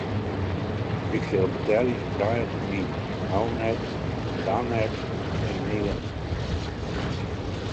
Hy sil betelje yn trije terminen: no net en dan net en nea net.